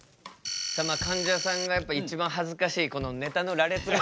かんじゃさんがやっぱ一番恥ずかしいこのネタの羅列が。